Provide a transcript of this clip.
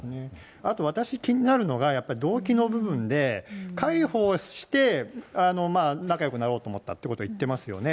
あと、私、気になるのが、やっぱり動機の部分で、介抱して、仲よくなろうと思ったということを言ってますよね。